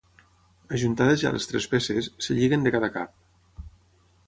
Ajuntades ja les tres peces, es lliguen de cada cap.